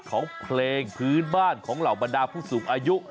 ของเพลงพื้นบ้านของเหล่าบรรดาผู้สูงอายุ